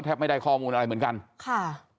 ไม่ได้ข้อมูลอะไรเหมือนกันค่ะ